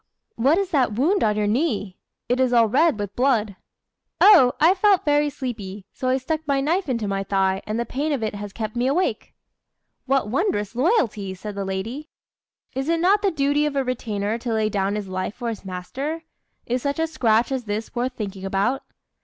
"What is that wound on your knee? It is all red with blood." "Oh! I felt very sleepy; so I stuck my knife into my thigh, and the pain of it has kept me awake." "What wondrous loyalty!" said the lady. "Is it not the duty of a retainer to lay down his life for his master? Is such a scratch as this worth thinking about?"